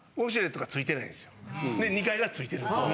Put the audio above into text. で２階が付いてるんですよ。